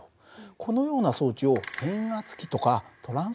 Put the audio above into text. このような装置を変圧器とかトランスというんだね。